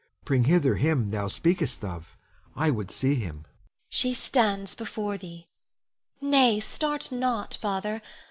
Bring hither him thou speakest of. I would see him. Ione. She stands before thee. Nay, start not, Father.